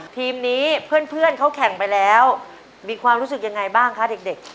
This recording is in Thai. ทีมนี้เพื่อนเขาแข่งไปแล้วมีความรู้สึกยังไงบ้างคะเด็ก